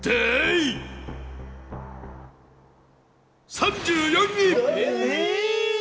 ３４位？